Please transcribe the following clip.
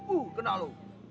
uh kena lu